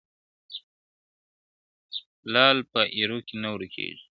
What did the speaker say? لعل په ایرو کي نه ورکېږي ..